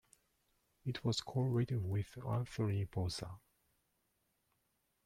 It was co-written with Anthony Bozza.